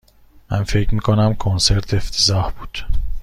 من فکر می کنم کنسرت افتضاح بود.